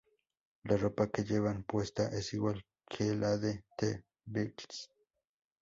La ropa que llevan puesta es igual que la de "The Beatles".